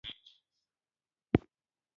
د پوهنتون ازموینې د فشار وخت دی.